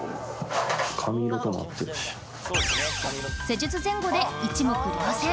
施術前後で一目瞭然！